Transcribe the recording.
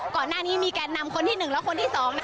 ก่อนหน้านี้มีแก้นนำคนที่หนึ่งแล้วคนที่สอง